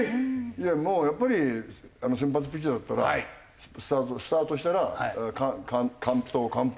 いやもうやっぱり先発ピッチャーだったらスタートしたら完投完封。